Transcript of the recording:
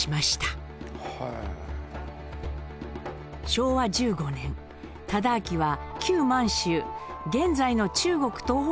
昭和１５年忠亮は旧満州現在の中国東北部に渡ります。